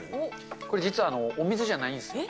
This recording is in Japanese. これ、実はお水じゃないんですよ。